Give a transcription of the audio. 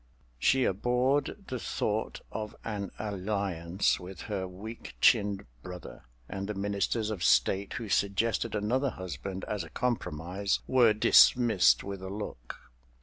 She abhorred the thought of an alliance with her weak chinned brother; and the ministers of State, who suggested another husband as a compromise, were dismissed with a look.